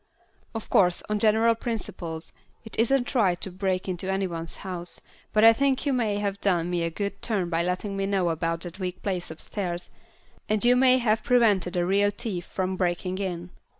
Of course, on general principles, it isn't right to break into any one's house, but I think you may have done me a good turn by letting me know about that weak place upstairs, and you may have prevented a real thief from breaking in.